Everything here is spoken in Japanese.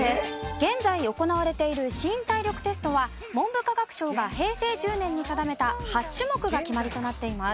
現在行われている新体力テストは文部科学省が平成１０年に定めた８種目が決まりとなっています。